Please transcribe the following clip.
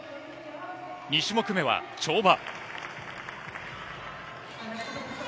２種目目は跳馬。